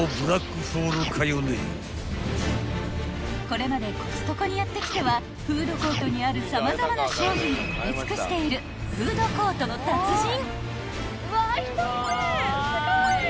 ［これまでコストコにやって来てはフードコートにある様々な商品を食べ尽くしているフードコートの達人］